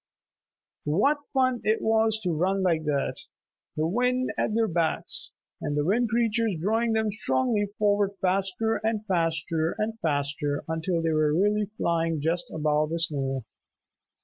What fun it was to run like that, the wind at their backs, and the Wind Creatures drawing them strongly forward faster and faster and faster until they were really flying just above the snow.